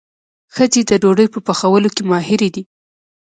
ښځې د ډوډۍ په پخولو کې ماهرې دي.